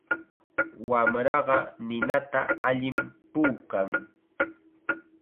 Wamraqa ninata allim puukan.